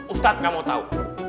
ustadz gak mau tau